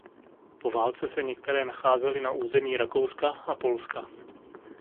Po válce se některé nacházely na území Rakouska a Polska.